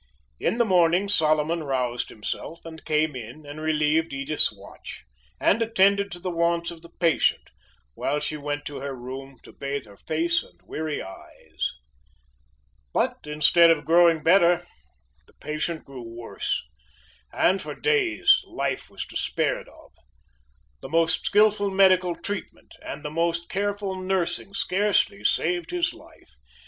In the morning Solomon roused himself, and came in and relieved Edith's watch, and attended to the wants of the patient, while she went to her room to bathe her face and weary eyes. But instead of growing better the patient grew worse, and for days life was despaired of. The most skillful medical treatment, and the most careful nursing scarcely saved his life.